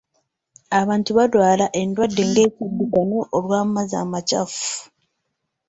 Abantu baalwala endwadde nga ekiddukano olw'amazzi amakyafu.